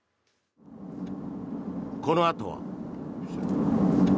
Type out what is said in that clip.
このあとは。